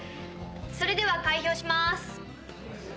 それでは開票します！